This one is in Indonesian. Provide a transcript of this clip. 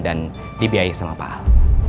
dan dibiayai sama pak al